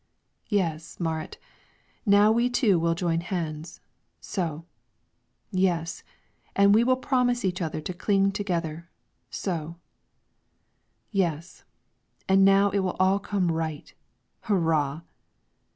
Yes, Marit, now we two will join hands, so; yes, and we will promise each other to cling together, so; yes, and now it will all come right. Hurrah!"